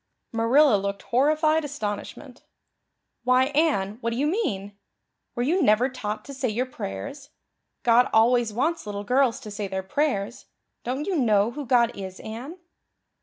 Marilla looked horrified astonishment. "Why, Anne, what do you mean? Were you never taught to say your prayers? God always wants little girls to say their prayers. Don't you know who God is, Anne?"